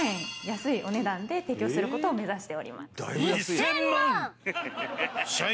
安いお値段で提供する事を目指しております。